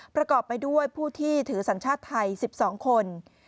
ประกอบไปด้วยผู้ที่ถือสัญชาติไทย๑๒คน